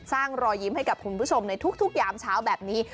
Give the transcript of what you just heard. รอยยิ้มให้กับคุณผู้ชมในทุกยามเช้าแบบนี้